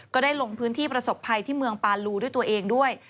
ก็ได้ลงพื้นที่ประสบภัยที่เมืองปาลูด้วยตัวเองด้วย